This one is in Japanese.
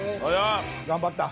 頑張った。